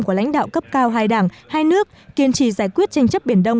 của lãnh đạo cấp cao hai đảng hai nước kiên trì giải quyết tranh chấp biển đông